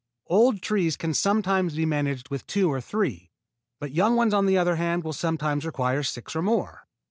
Old trees can sometimes be managed with two or three, but young ones, on the other hand, will sometimes require six or more.